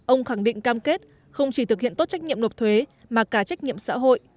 ông khẳng định cam kết không chỉ thực hiện tốt trách nhiệm nộp thuế mà cả trách nhiệm xã hội